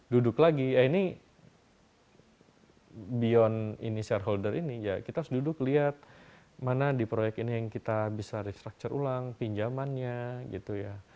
duduk lagi ya ini beyond ini shareholder ini ya kita harus duduk lihat mana di proyek ini yang kita bisa restructure ulang pinjamannya gitu ya